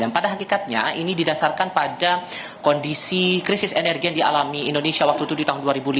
pada hakikatnya ini didasarkan pada kondisi krisis energi yang dialami indonesia waktu itu di tahun dua ribu lima